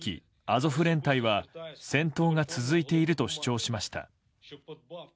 アゾフ連隊は戦闘が続いていると主張しました。